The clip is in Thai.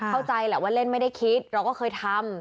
เข้าใจแหละว่าเล่นไม่ได้คิดเราก็เคยทำ